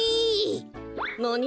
なに？